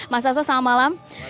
mas haslo selamat malam